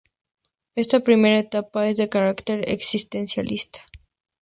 Esta primera etapa es de carácter existencialista.